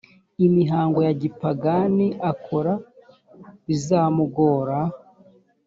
imihango ya gipagani akora bizamugora